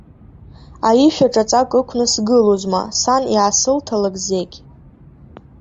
Аишәа ҿаҵак ықәны сгылозма, сан иаасылҭалак зегь.